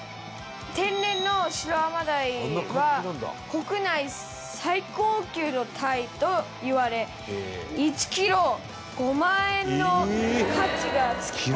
天然のシロアマダイは国内最高級のタイといわれ１キロ５万円の価値が付く事もあるんです。